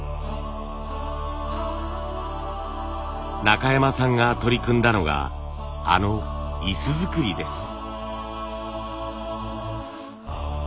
中山さんが取り組んだのがあの椅子づくりです。